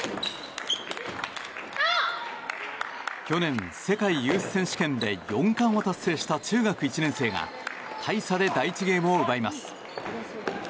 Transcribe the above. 去年、世界ユース選手権で４冠を達成した中学１年生が大差で第１ゲームを奪います。